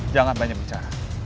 jangan banyak bicara